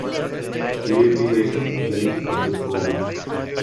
تو یہ بھی ایک بند گلی ثابت ہو گی۔